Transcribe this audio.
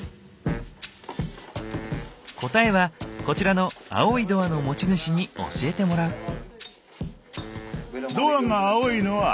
答えはこちらの青いドアの持ち主に教えてもらう。え！